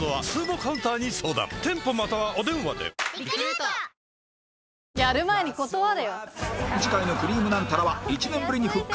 東芝次回の『くりぃむナンタラ』は１年ぶりに復活！